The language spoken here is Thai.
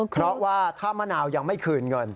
เพราะว่าถ้ามะนาวยังไม่คืนเงิน